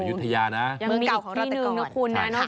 เมืองเก่าของเราแต่ก่อน